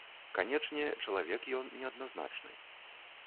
Канечне, чалавек ён неадназначны.